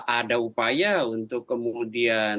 ada upaya untuk kemudian